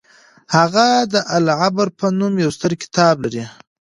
هغه د العبر په نوم يو ستر کتاب لري.